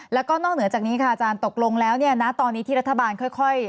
แล้วก็นอกเหนือจากนี้ค่ะอาจารย์ตกลงแล้วเนี่ยณตอนนี้ที่รัฐบาลค่อย